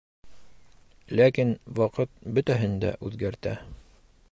Ләкин ваҡыт бөтәһен дә үҙгәртә!